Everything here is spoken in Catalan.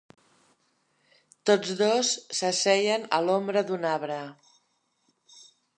Tots dos s'asseien a l'ombra d'un arbre